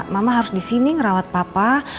mama harus disini ngerawat papa